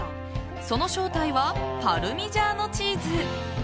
その正体はパルミジャーノチーズ。